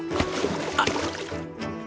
あっ。